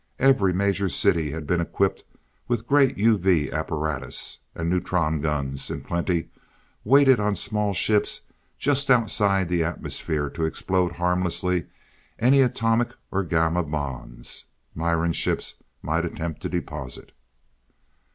Every major city had been equipped with great UV apparatus. And neutron guns in plenty waited on small ships just outside the atmosphere to explode harmlessly any atomic or gamma bombs Miran ships might attempt to deposit.